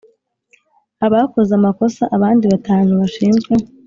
abakoze amakosa Abandi batanu bashinzwe